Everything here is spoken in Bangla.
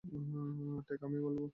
টাগ, আমি বলব।